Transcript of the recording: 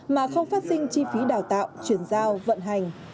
mà không phát sinh chi phí đào tạo chuyển giao vận hành